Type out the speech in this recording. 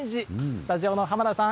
スタジオの濱田さん